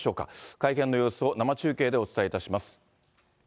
会見の様子を生中継でお伝えいたします。